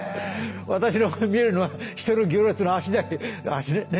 私に見えるのは人の行列の足だけ。